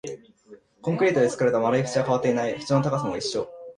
コンクリートで作られた丸い縁は変わっていない、縁の高さも一緒